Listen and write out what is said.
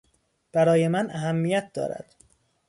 برای من اهمیت دارد.